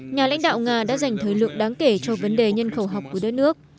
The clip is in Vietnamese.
nhà lãnh đạo nga đã dành thời lượng đáng kể cho vấn đề nhân khẩu học của đất nước